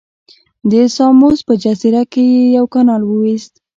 د ساموس په جزیره کې یې یو کانال وویست.